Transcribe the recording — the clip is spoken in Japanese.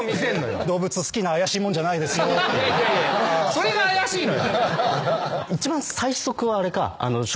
それが怪しいのよ。